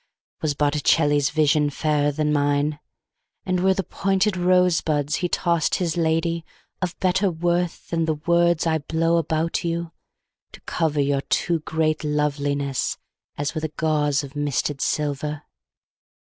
Was Botticelli's visionFairer than mine; And were the pointed rosebudsHe tossed his ladyOf better worthThan the words I blow about youTo cover your too great lovelinessAs with a gauzeOf misted silver?